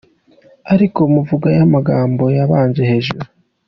Ariko muvuga ya magambo yabanje hejuru!